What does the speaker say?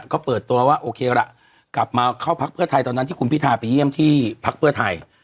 ก็เปิดตัวว่าโอเคล่ะกลับมาเข้าพักเพื่อไทยตอนนั้นที่คุณพิทาไปเยี่ยมที่พักเพื่อไทย